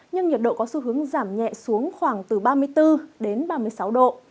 nhưng nhiệt độ có xu hướng giảm nhẹ xuống khoảng từ ba mươi bốn đến ba mươi sáu độ